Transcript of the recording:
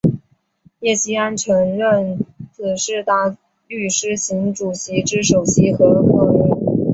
叶锡安曾任孖士打律师行主席及首席合夥人。